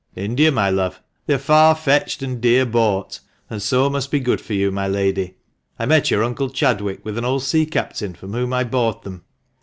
India, my love ; they are ' far fetched and dear bought,' and so must be good for you, my lady. I met your uncle Chadwick with an old sea captain, from whom I bought them.